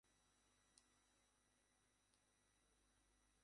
নব্বই বছর বয়সে তিনি মারা যান।